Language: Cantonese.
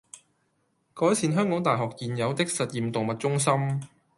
改善香港大學現有的實驗動物中心